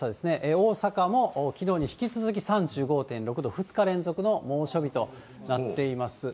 大阪もきのうに引き続き３５．６度、２日連続の猛暑日となっています。